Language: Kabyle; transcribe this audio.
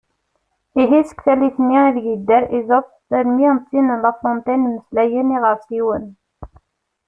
Ihi seg tallit-nni ideg yedder Esope armi d tin n La Fontaine “mmeslayen iɣersiwen”.